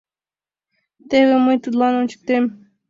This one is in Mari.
— Теве мый тудлан ончыктем...